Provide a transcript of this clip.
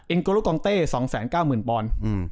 เอ็งโกรกองเต่๒๙๐๐๐๐ปอน